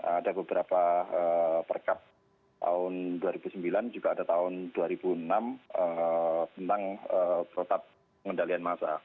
ada beberapa perkap tahun dua ribu sembilan juga ada tahun dua ribu enam tentang protap pengendalian masa